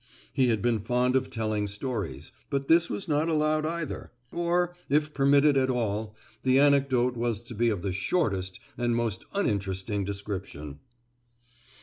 He had been fond of telling stories, but this was not allowed either; or, if permitted at all, the anecdote was to be of the shortest and most uninteresting description.